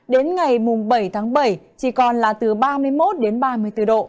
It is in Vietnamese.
đến ngày bảy tháng bảy chỉ còn là từ ba mươi một đến ba mươi bốn độ